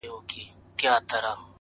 • ډېر هوښیار وو د خپل کسب زورور وو,